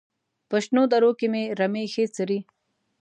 په شنو درو کې رمې ښې څري.